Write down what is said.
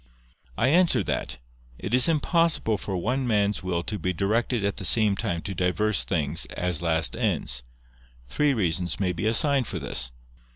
I answer that, It is impossible for one man's will to be directed at the same time to diverse things, as last ends. Three reasons may be assigned for this.